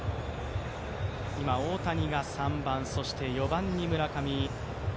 今、大谷が３番、そして４番に村上。